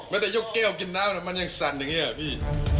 ไม่แต่ยกแก้วกิ้นน้ำมันยังสั่นอย่างนี้